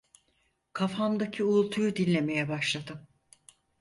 Kafamdaki uğultuyu dinlemeye başladım.